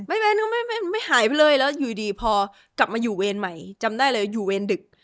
ไม่หายไปเลยแล้วอยู่ดีพอกลับมาอยู่เวรใหม่จำได้เลยอยู่เวรดึก